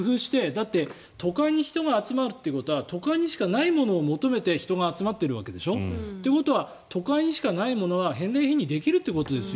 だって都会に人が集まるっていうことは都会にしかないものを求めて人が集まってるわけでしょ？ということは都会にしかないものは返礼品にできるっていうことですよ。